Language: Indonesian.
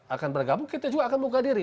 akan bergabung kita juga akan buka diri